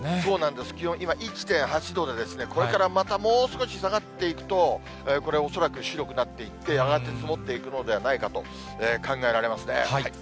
今、１．８度で、これからまたもう少し下がっていくと、これ、恐らく白くなっていって、やがて積もっていくのではないかと考えられますね。